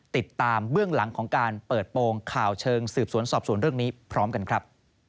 เบื้องหลังของการเปิดโปรงข่าวเชิงสืบสวนสอบสวนเรื่องนี้พร้อมกันครับ